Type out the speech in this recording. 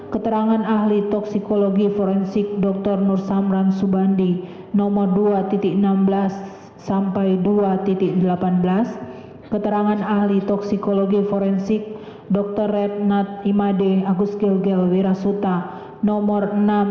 keterangan ahli toksikologi forensik dr nur samran subandi nomor dua enam belas sampai dua delapan belas keterangan ahli toksikologi forensik dr rednat imade agus gilgel wirasuta nomor enam